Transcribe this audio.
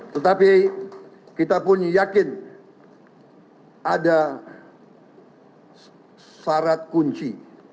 tetapi kita pun yakin ada syarat kunci